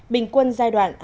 bình quân giai đoạn